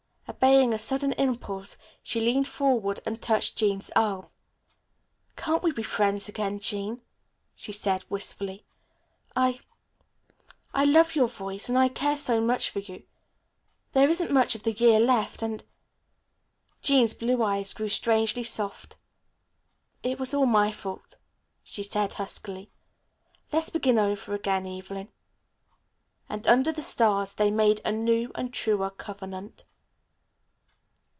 Obeying a sudden impulse, she leaned forward and touched Jean's arm. "Can't we be friends again, Jean," she said wistfully. "I I love your voice, and I care so much for you. There isn't much of the year left and " Jean's blue eyes grew strangely soft. "It was all my fault," she said huskily. "Let's begin over again, Evelyn." And under the stars they made a new and truer covenant.